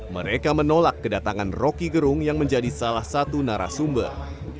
mereka menolak kedatangan roky gerung yang menjadi salah satu narasumber